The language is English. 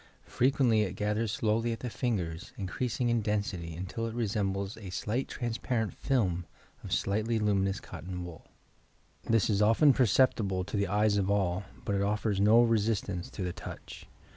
Frequently it gathers slowly at the fingers, increasing in density till it resembles a slight transparent film of slightly luminous eotton wool. This is often perceptible to the eyes of all, bat it offers no resistance to the touch.